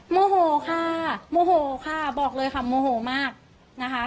โมโหค่ะโมโหค่ะบอกเลยค่ะโมโหมากนะคะ